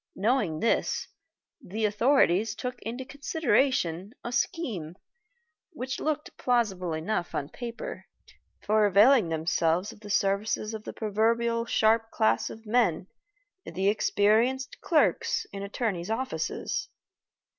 Knowing this, the authorities took into consideration a scheme, which looked plausible enough on paper, for availing themselves of the services of that proverbially sharp class of men, the experienced clerks in attorney's offices.